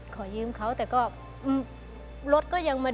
ขอยืมเขาแต่ก็รถก็ยังมา